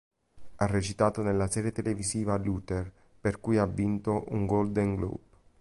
Ha recitato nella serie televisiva "Luther" per cui ha vinto un Golden Globe.